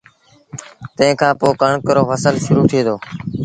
تنهن کآݩ پو ڪڻڪ رو ڦسل شرو ٿئي دو